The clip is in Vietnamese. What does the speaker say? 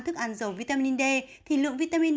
thức ăn dầu vitamin d thì lượng vitamin